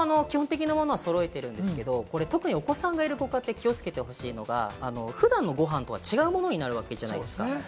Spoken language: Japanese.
僕も基本的なものは揃えてるんですけど、お子さんがいるご家庭で気をつけてほしいのが普段のごはんとは違うものになるわけじゃないですか。